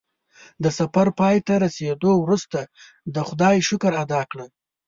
د سفر پای ته رسېدو وروسته د خدای شکر ادا کړه.